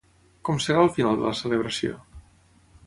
Com serà el final de la celebració?